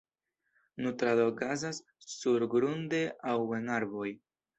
Nutrado okazas surgrunde aŭ en arboj.